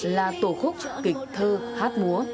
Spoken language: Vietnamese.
là tổ khúc kịch thơ hát múa